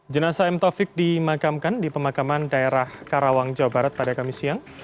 jenasa m taufik dimakamkan di pemakaman daerah karawang jawa barat pada kamis siang